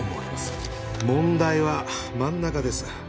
問題は真ん中です。